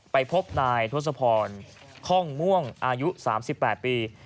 ไปพบนายทศพรค่องม่วงอายุ๓๘ปี